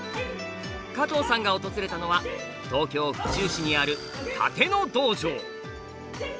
加藤さんが訪れたのは東京府中市にある殺陣の道場。